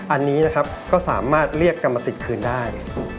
อันนี้นะครับก็สามารถเรียกกรรมสิทธิ์คืนได้